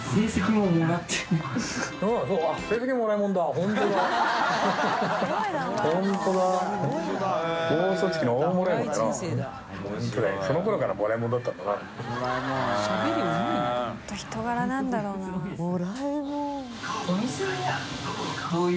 本当人柄なんだろうな。